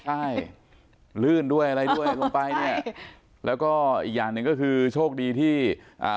ใช่ลื่นด้วยอะไรด้วยลงไปเนี่ยแล้วก็อีกอย่างหนึ่งก็คือโชคดีที่อ่า